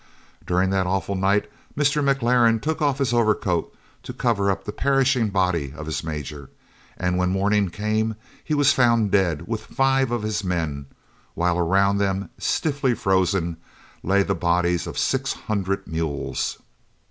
During that awful night Mr. McLaren took off his overcoat to cover up the perishing body of his major, and when morning came he was found dead with five of his men, while around them, stiffly frozen, lay the bodies of six hundred mules.